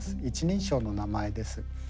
１人称の名前です。